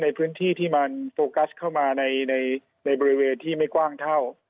ในพื้นที่ที่มันโฟกัสเข้ามาในบริเวณที่ไม่กว้างเท่า